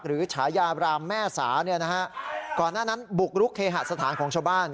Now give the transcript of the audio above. หรือฉายารามแม่สาก่อนหน้านั้นบุกรุกเคหัสสถานของชาวบ้าน